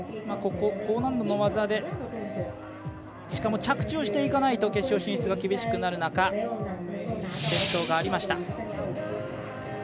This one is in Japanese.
高難度の技でしかも着地をしていかないと決勝進出が厳しくなる中転倒がありました。